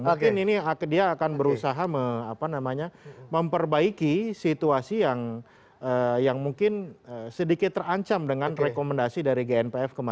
mungkin ini dia akan berusaha memperbaiki situasi yang mungkin sedikit terancam dengan rekomendasi dari gnpf